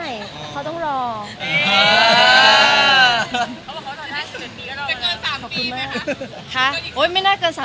มีปิดฟงปิดไฟแล้วถือเค้กขึ้นมา